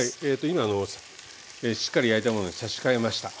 今しっかり焼いた物に差し替えました。